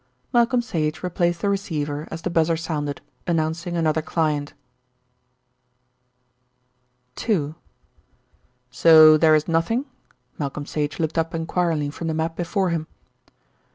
Malcolm Sage replaced the receiver as the buzzer sounded, announcing another client. II "So there is nothing?" Malcolm Sage looked up enquiringly from the map before him.